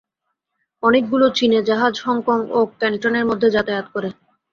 অনেকগুলো চীনে জাহাজ হংকং ও ক্যাণ্টনের মধ্যে যাতায়াত করে।